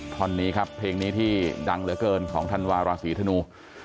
ท่อนนี้ครับเพลงนี้ที่ดังเหลือเกินของธันวาราศีธนู